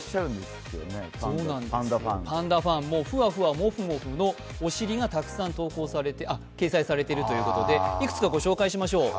ふわふわもふもふのお尻がたくさん掲載されてるということでいくつかご紹介しましょう。